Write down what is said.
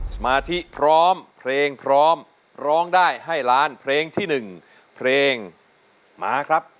สมาธิพร้อมเพลงพร้อมร้องได้ให้ล้านเพลงที่๑เพลงมาครับ